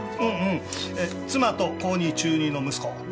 うん妻と高２中２の息子。